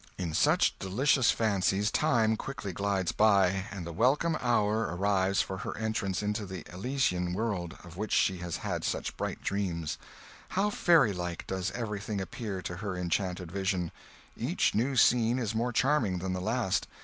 "In such delicious fancies time quickly glides by, and the welcome hour arrives for her entrance into the Elysian world, of which she has had such bright dreams. How fairy like does everything appear to her enchanted vision! Each new scene is more charming than the last.